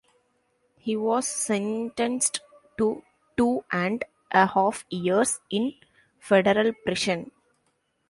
He was sentenced to two and a half years in federal prison.